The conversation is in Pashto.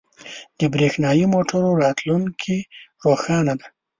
• د برېښنايی موټرو راتلونکې روښانه ده.